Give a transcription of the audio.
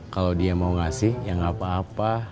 kalau dia mau ngasih ya nggak apa apa